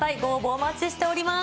お待ちしております。